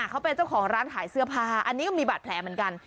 เขาเป็นเจ้าของร้านขายเสื้อผ้าอันนี้ก็มีบาดแผลเหมือนกัน